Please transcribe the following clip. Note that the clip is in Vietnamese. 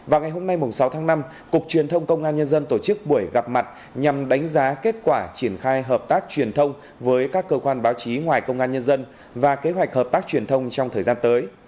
vào ngày hôm nay sáu tháng năm cục truyền thông công an nhân dân tổ chức buổi gặp mặt nhằm đánh giá kết quả triển khai hợp tác truyền thông với các cơ quan báo chí ngoài công an nhân dân và kế hoạch hợp tác truyền thông trong thời gian tới